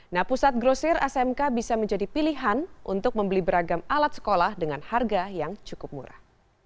nah pusat grosir smk bisa menjadi pilihan untuk membeli beragam alat sekolah dengan harga yang cukup murah